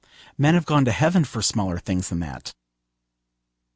Men have gone to heaven for smaller things than that.